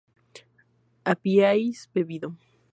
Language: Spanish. habíais bebido